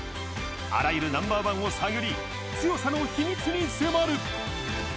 あらゆるナンバーワンを探り強さの秘密に迫る。